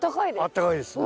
あったかいです。